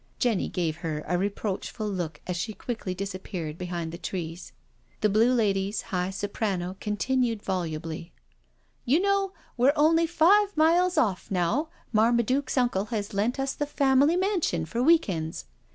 Jenny gave her a reproachful look as she quickly disappeared behind the trees. The blue lady's high soprano continued volubly: " You know, we're only five miles off now Marma duke's uncle has lent us the family mansion for week ends.